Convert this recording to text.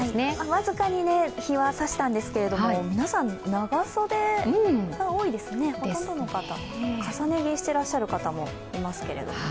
僅かに日はさしたんですけれども、皆さん、長袖が多いですね、ほとんどの方、重ね着してらっしゃる方もいらっしゃいますけどね。